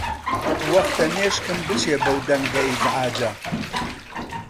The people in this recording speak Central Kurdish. وەختە مێشکم بچێ بەو دەنگە ئیزعاجە.